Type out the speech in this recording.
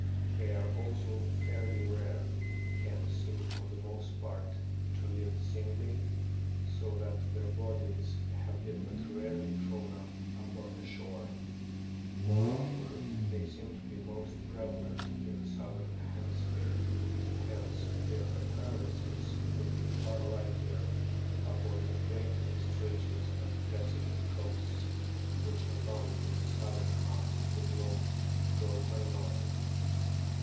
They are also fairly rare, and seem for the most part to live singly, so that their bodies have been but rarely thrown up upon the shore. Moreover, they seem to be most prevalent in the southern hemisphere ; hence their occurrences would be far likelier upon the great stretches of desolate coasts which abound in the southern half of the globe to go unnoticed.